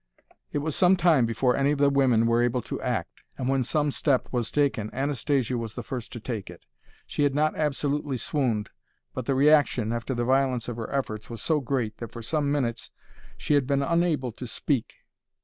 It was some time before any of the women were able to act, and when some step was taken, Anastasia was the first to take it. She had not absolutely swooned, but the reaction, after the violence of her efforts, was so great, that for some minutes she had been unable to speak.